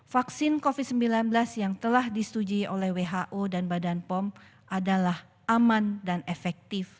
vaksin covid sembilan belas yang telah disetujui oleh who dan badan pom adalah aman dan efektif